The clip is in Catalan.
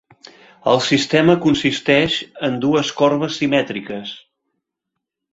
El sistema consisteix en dues corbes simètriques.